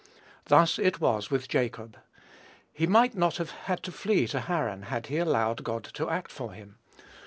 Thus it was with Jacob: he might not have had to flee to Haran, had he allowed God to act for him.